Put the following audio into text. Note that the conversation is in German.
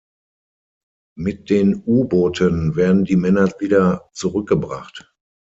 Mit den U-Booten werden die Männer wieder zurückgebracht.